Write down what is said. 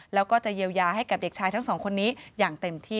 แล้วก็จะเยียวยาให้กับเด็กชายทั้งสองคนนี้อย่างเต็มที่